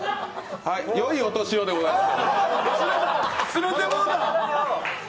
よいお年をでございます。